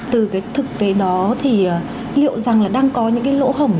từ cái thực tế đó thì liệu rằng là đang có những cái lỗ hổng